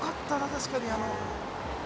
確かにあの。